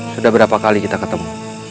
sudah berapa kali kita ketemu